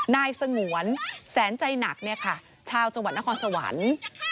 นายสงวนแสนใจหนักเนี่ยค่ะชาวจังหวัดนครสวรรค์